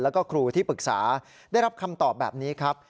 แล้วก็ครูที่ปรึกษาได้รับคำตอบแบบนี้ครับ